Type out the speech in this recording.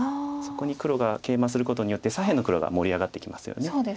そこに黒がケイマすることによって左辺の黒が盛り上がってきますよね。